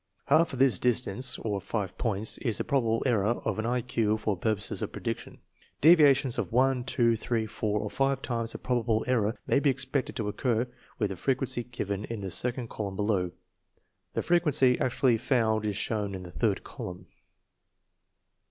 Half of this distance, or five points, is the probable error of an I Q for purposes of prediction. 1 Deviations of one, two, three, four, or five times the probable er ror may be expected to occur with the frequency given in the second column below. 2 The frequency actually found is shown in the third column.